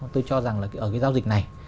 tôi cho rằng là ở cái giao dịch này